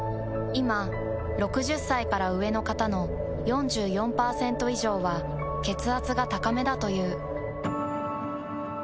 いま６０歳から上の方の４４％以上は血圧が高めだという。